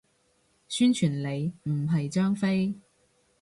宣傳你，唔係張飛